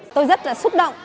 tôi rất là xúc động